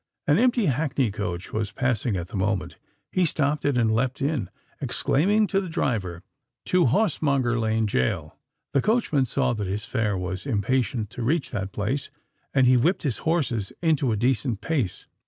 An empty hackney coach was passing at the moment: he stopped it, and leapt in—exclaiming to the driver, "To Horsemonger Lane Gaol." The coachman saw that his fare was impatient to reach that place; and he whipped his horses into a decent pace.